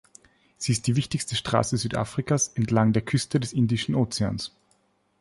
Sie ist die wichtigste Straße Südafrikas entlang der Küste des Indischen Ozeans.